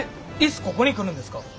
ここに来るんですか？